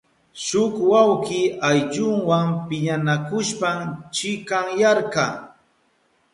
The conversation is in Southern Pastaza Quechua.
Shuk wawki ayllunwa piñanakushpan chikanyarka.